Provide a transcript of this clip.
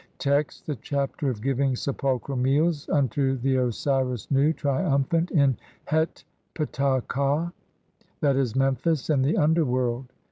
Text : (1) The Chapter of giving sepulchral meals unto the Osiris Nu, triumphant, in Het Ptah ka (/'. e., MEMPHIS) IN THE UNDERWORLD.